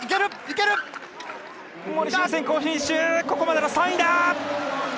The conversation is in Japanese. ここまでの３位だ！